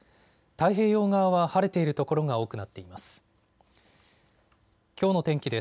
太平洋側は晴れている所が多くなっています。